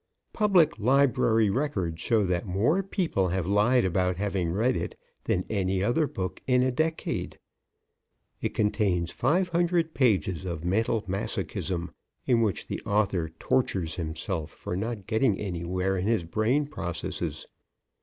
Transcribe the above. Public library records show that more people have lied about having read it than any other book in a decade. It contains five hundred pages of mental masochism, in which the author tortures himself for not getting anywhere in his brain processes.